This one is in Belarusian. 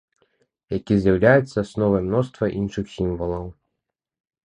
Які з'яўляецца асновай мноства іншых сімвалаў.